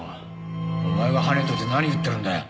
お前がはねといて何言ってるんだよ！